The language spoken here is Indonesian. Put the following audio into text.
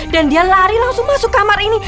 dan dia lari langsung masuk kamar ini